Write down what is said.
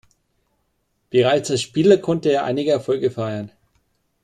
Bereits als Spieler konnte er einige Erfolge feiern.